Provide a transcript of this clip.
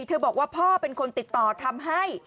บอกว่าพ่อเป็นคนติดต่อทำให้